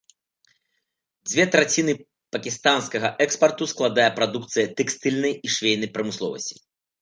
Дзве траціны пакістанскага экспарту складае прадукцыя тэкстыльнай і швейнай прамысловасці.